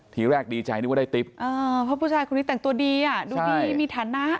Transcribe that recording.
ทีแรกดีใจนึกว่าได้ติ๊บเพราะผู้ชายคนนี้แต่งตัวดีอ่ะดูดีมีฐานะ